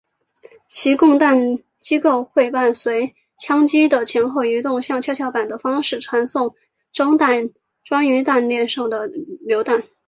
其供弹机构会伴随枪机的前后移动像跷跷板的方式传送装于弹链上的榴弹。